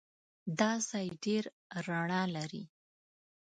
دا ځای ډېر رڼا لري.